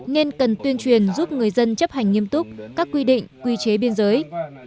nên cần tuyên truyền giúp người dân chấp hành nghiêm túc các quy định quy chế biên giới